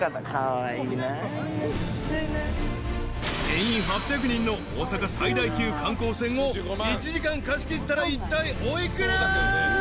［定員８００人の大阪最大級観光船を１時間貸し切ったらいったいお幾ら？］